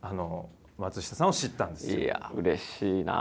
いやあうれしいな。